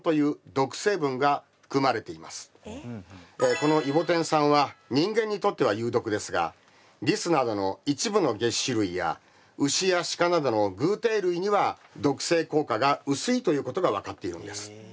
このイボテン酸は人間にとっては有毒ですがリスなどの一部のげっ歯類や牛やシカなどの偶蹄類には毒性効果が薄いということが分かっているんです。